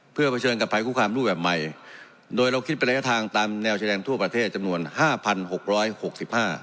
เพื่อเผชิญกับภัยคุกคามรูปแบบใหม่โดยเราคิดเป็นระยะทางตามแนวชายแดนทั่วประเทศจำนวนห้าพันหกร้อยหกสิบห้า